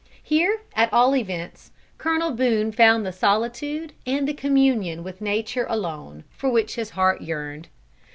Here at all events, Colonel Boone found the solitude and the communion with nature alone, for which his heart yearned.